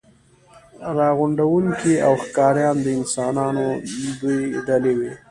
راغونډوونکي او ښکاریان د انسانانو دوې ډلې وې.